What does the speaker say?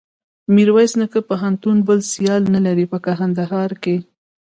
میرویس نیکه پوهنتون بل سیال نلري په کندهار کښي.